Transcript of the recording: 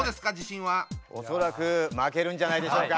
恐らく負けるんじゃないでしょうか。